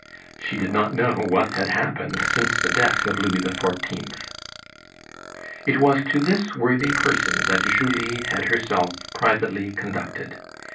She did not know what had happened since the death of Louis XIV. It was to this worthy person that Julie had herself privately conducted.